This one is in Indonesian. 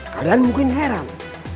kalian mungkin heran